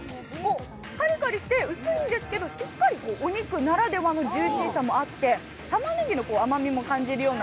カリカリして薄いんですけど、しっかりお肉ならではのジューシーさもあってたまねぎの甘みも感じるような